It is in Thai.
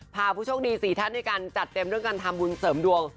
ผู้โชคดี๔ท่านด้วยกันจัดเต็มเรื่องการทำบุญเสริมดวง